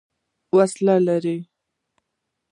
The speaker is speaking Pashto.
وسلې لري.